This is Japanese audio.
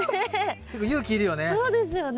結構勇気いるよね。